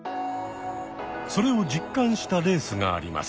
それを実感したレースがあります。